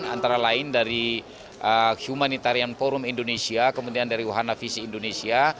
antara lain dari humanitarian forum indonesia kemudian dari wahana visi indonesia